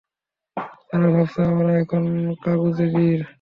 তারা ভাবছে, আমরা এখন কাগুজে বীর।